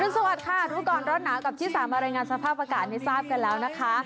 สวัสดีค่ะรู้ก่อนร้อนหนาวกับชิสามารายงานสภาพอากาศให้ทราบกันแล้วนะคะ